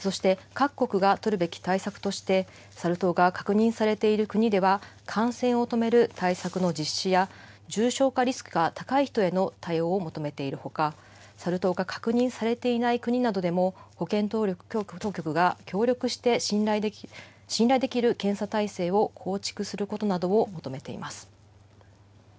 そして、各国が取るべき対策として、サル痘が確認されている国では、感染を止める対策の実施や、重症化リスクが高い人への対応を求めているほか、サル痘が確認されていない国などでも、保健当局が協力して、信頼できる検査体制を構築することなどを求めています。